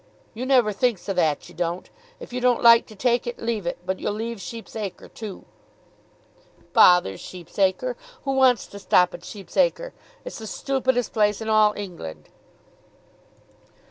You never thinks o' that; you don't. If you don't like to take it, leave it. But you'll leave Sheep's Acre too." "Bother Sheep's Acre. Who wants to stop at Sheep's Acre? It's the stoopidest place in all England."